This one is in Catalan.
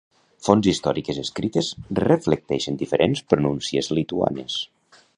Fonts històriques escrites reflecteixen diferents pronúncies lituanes.